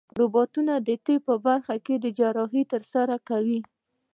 روبوټونه د طب په برخه کې جراحي ترسره کوي.